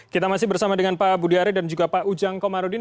kita masih bersama dengan pak budiare dan juga pak ujang komarudin